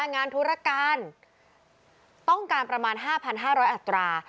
งานธุรการต้องการประมาณ๕๕๐๐อัตรา